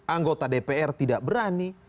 anggota dpr tidak berani